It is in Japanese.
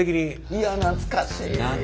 いや懐かしい。